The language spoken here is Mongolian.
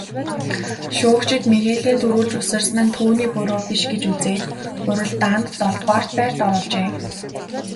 Шүүгчид Мигелийн түрүүлж үсэрсэн нь түүний буруу биш гэж үзээд уралдаанд долдугаарт байрт оруулжээ.